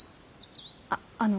あっあの。